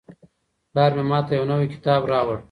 پلار مې ماته یو نوی کتاب راوړ.